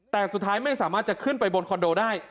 แต่สุดท้ายไม่สามารถจะขึ้นไปบนคอนโดได้